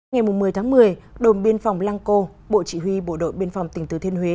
ngày một mươi tháng một mươi đồn biên phòng lang co bộ chỉ huy bộ đội biên phòng tỉnh thứ thiên huế